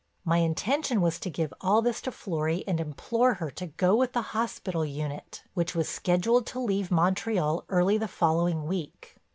My intention was to give all this to Florry and implore her to go with the hospital unit, which was scheduled to leave Montreal early the following week.